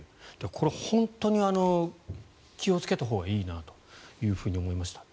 これ、本当に気をつけたほうがいいなと思いました。